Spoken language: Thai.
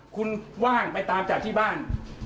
คุณว่างไปตามจับที่บ้าน